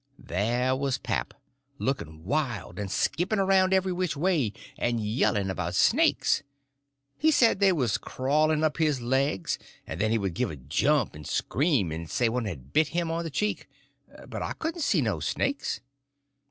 There was pap looking wild, and skipping around every which way and yelling about snakes. He said they was crawling up his legs; and then he would give a jump and scream, and say one had bit him on the cheek—but I couldn't see no snakes.